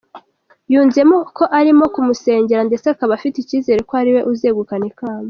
Yunzemo ko arimo kumusengera ndetse akaba afite icyizere ko ari we uzegukana ikamba.